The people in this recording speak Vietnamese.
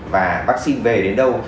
và vaccine về đến đâu